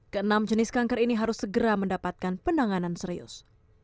keenam jenis kanker ini harus segera mendapatkan penanganan serius